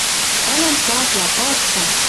Калям сасла, пачка